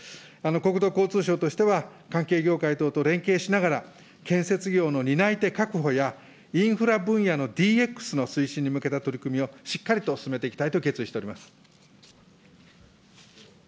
国土交通省としては関係業界等と連携しながら、建設業の担い手確保や、インフラ分野のＤＸの推進に向けた取り組みをしっかりと進めていきたいと決意しております。